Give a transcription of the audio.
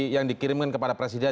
yang dikirimkan kepada presiden